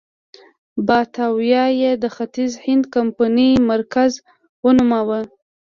باتاویا یې د ختیځ هند کمپنۍ مرکز ونوماوه.